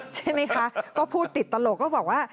ใช่ไหมคะก็พูดติดตลกก็บอกว่า